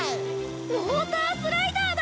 ウォータースライダーだ！